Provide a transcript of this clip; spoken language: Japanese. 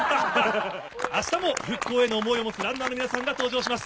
あしたも復興への想いを持つランナーの皆さんが登場します。